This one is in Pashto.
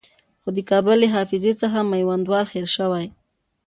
خو د کابل له حافظې څخه میوندوال هېر شوی.